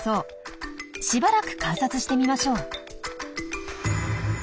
しばらく観察してみましょう。